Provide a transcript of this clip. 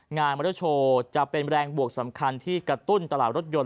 มอเตอร์โชว์จะเป็นแรงบวกสำคัญที่กระตุ้นตลาดรถยนต